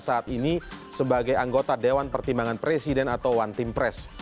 sebagai anggota dewan pertimbangan presiden atau one team press